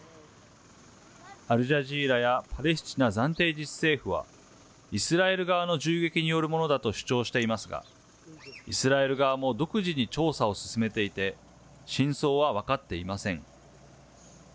アルジャジーラやパレスチナ暫定自治政府は、イスラエル側の銃撃によるものだと主張していますが、イスラエル側も独自に調査を進めていて、真相は分かっていません。